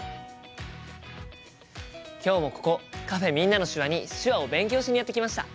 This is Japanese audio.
今日もここカフェ「みんなの手話」に手話を勉強しにやって来ました！